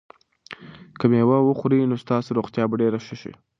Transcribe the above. که مېوه وخورئ نو ستاسو روغتیا به ډېره ښه شي.